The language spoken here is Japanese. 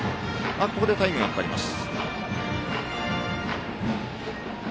ここでタイムがかかります。